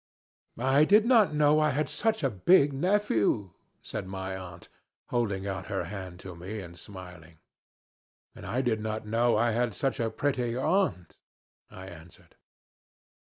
"I did not know I had such a big nephew!" said my aunt, holding out her hand to me and smiling. "And I did not know I had such a pretty aunt," I answered.